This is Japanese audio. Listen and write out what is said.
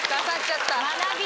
学び。